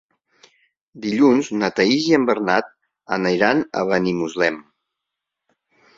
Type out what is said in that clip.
Dilluns na Thaís i en Bernat aniran a Benimuslem.